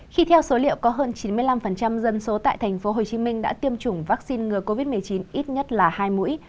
khi theo số liệu có hơn chín mươi năm dân số tại tp hcm đã tiêm chủng vaccine ngừa covid một mươi chín ít nhất là hai mũi